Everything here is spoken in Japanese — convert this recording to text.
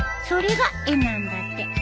それが絵なんだって。